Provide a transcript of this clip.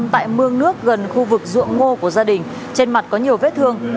tại mương nước gần khu vực ruộng ngô của gia đình trên mặt có nhiều vết thương